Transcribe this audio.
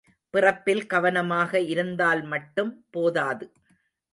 பிறப்பில் கவனமாக இருந்தால் மட்டும் போதாது.